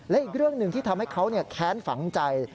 และอีกเรื่องหนึ่งที่ทำให้เขาแค้นฝังใจ